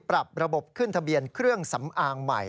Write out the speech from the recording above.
ปรับระบบขึ้นทะเบียนเครื่องสำอางใหม่